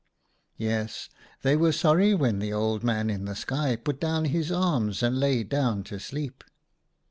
Yes, they were sorry when the Old Man in the sky put down his arms and lay down to sleep."